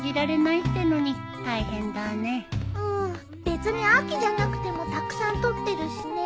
別に秋じゃなくてもたくさん撮ってるしね。